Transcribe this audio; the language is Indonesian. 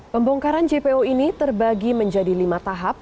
pembongkaran jpo ini terbagi menjadi lima tahap